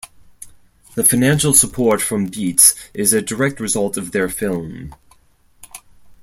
The financial support from Beats is a direct result of their film.